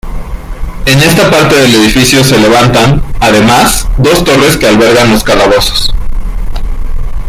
En esta parte del edificio se levantan, además, dos torres que albergaban los calabozos.